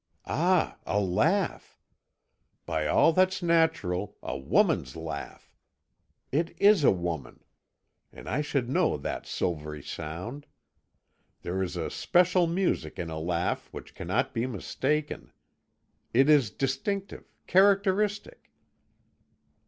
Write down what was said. Ah! a laugh! By all that's natural, a woman's laugh! It is a woman! And I should know that silvery sound. There is a special music in a laugh which cannot be mistaken. It is distinctive characteristic.